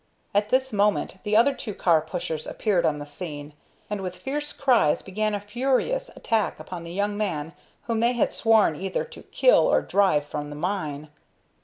At this moment the other two car pushers appeared on the scene, and with fierce cries began a furious attack upon the young man whom they had sworn either to kill or drive from the mine.